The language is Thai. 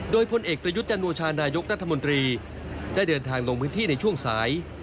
โดยพลเอกประยุทธ์จันโอชานายกรัฐมนตรีได้เดินทางลงพื้นที่ในช่วงสาย